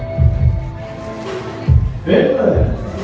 สโลแมคริปราบาล